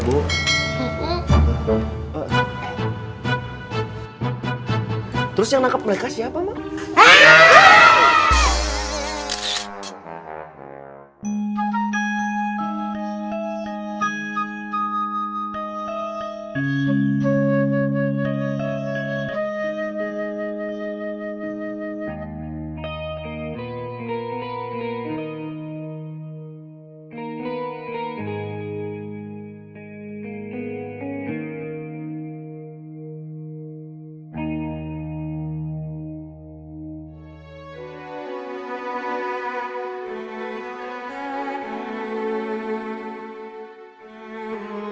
kita nunggu pak hansip sama pak kanti berdua aja ya